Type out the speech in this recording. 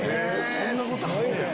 そんなことあんのや。